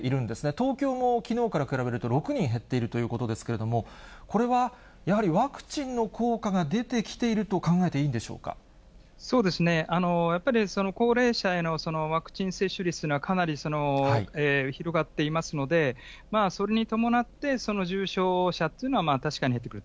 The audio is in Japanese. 東京もきのうから比べると、６人減っているということですけれども、これはやはりワクチンの効果が出てきていると考えていいんでしょそうですね、高齢者へのワクチン接種率というのは、かなり広がっていますので、それに伴って、重症者というのは確かに減ってくる。